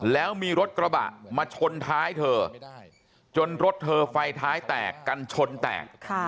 แล้วมีรถกระบะมาชนท้ายเธอจนรถเธอไฟท้ายแตกกันชนแตก